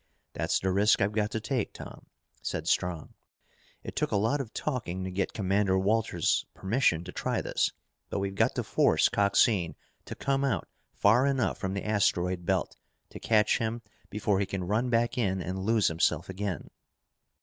"That's the risk I've got to take, Tom," said Strong. "It took a lot of talking to get Commander Walters' permission to try this. But we've got to force Coxine to come out far enough from the asteroid belt to catch him before he can run back in and lose himself again."